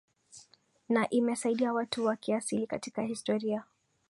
na imesaidia watu wa kiasili katika historia